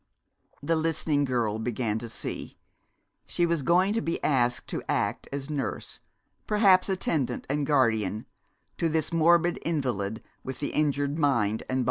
The listening girl began to see. She was going to be asked to act as nurse, perhaps attendant and guardian, to this morbid invalid with the injured mind and body.